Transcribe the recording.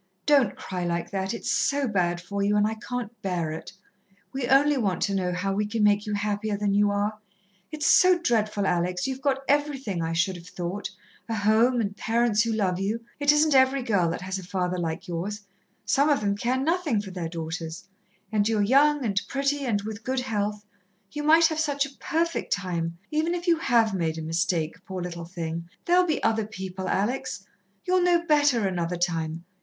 "Don't cry like that it's so bad for you and I can't bear it. We only want to know how we can make you happier than you are. It's so dreadful, Alex you've got everything, I should have thought a home, and parents who love you it isn't every girl that has a father like yours, some of them care nothing for their daughters and you're young and pretty and with good health you might have such a perfect time, even if you have made a mistake, poor little thing, there'll be other people, Alex you'll know better another time